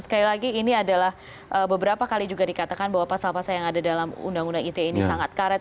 sekali lagi ini adalah beberapa kali juga dikatakan bahwa pasal pasal yang ada dalam undang undang ite ini sangat karet